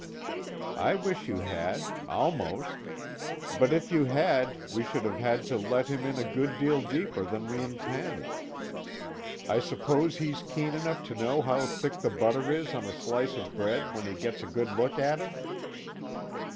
"I wish you had, almost. But if you had, we should have had to let him in a good deal deeper than we intend. I suppose he's keen enough to know how thick the butter is on a slice of bread, when he gets a good look at it?"